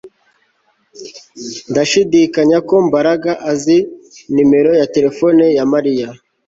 Ndashidikanya ko Mbaraga azi numero ya terefone ya Mariya